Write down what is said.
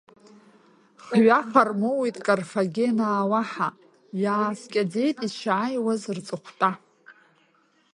Хҩаха рмоуит карфагенаа уаҳа, иааскьаӡеит ишааиуаз рҵыхәтәа.